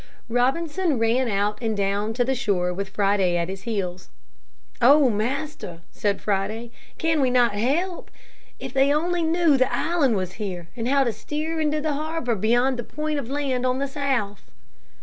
Robinson ran out and down to the shore with Friday at his heels. "O master!" said Friday, "can we not help? If they only knew the island was here and how to steer into the harbor beyond the point of land on the south."